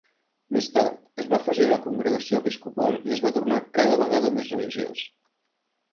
Més tard, es va afegir a la congregació episcopal i es va tornar cada vegada més religiós.